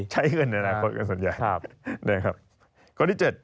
ใช้เงินในอนาคตกันส่วนใหญ่